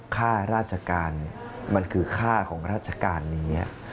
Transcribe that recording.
ค่าราชการมันคือค่าของราชการนี้